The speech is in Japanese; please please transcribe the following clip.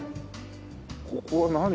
ここは何？